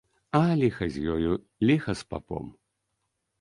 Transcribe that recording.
А ліха з ёю, ліха з папом!